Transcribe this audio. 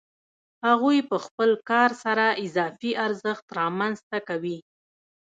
هغوی په خپل کار سره اضافي ارزښت رامنځته کوي